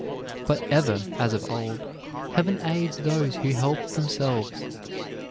But ever, as of old, Heaven aids those who help themselves.